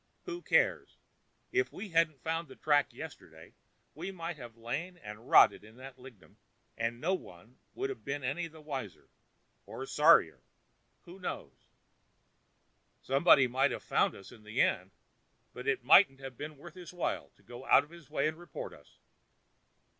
Who cares? If we hadn't found the track yesterday we might have lain and rotted in that lignum, and no one been any the wiser—or sorrier—who knows? Somebody might have found us in the end, but it mightn't have been worth his while to go out of his way and report us.